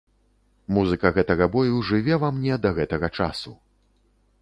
Музыка гэтага бою жыве ва мне да гэтага часу!